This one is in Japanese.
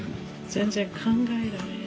全然考えられない。